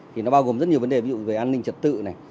thì nó bao gồm rất nhiều vấn đề ví dụ về an ninh trật tự này